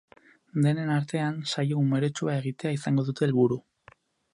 Denen artean, saio umoretsua egitea izango dute helburu.